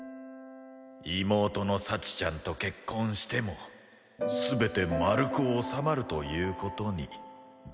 妹の幸ちゃんと結婚しても全て丸く収まるという事にだよ。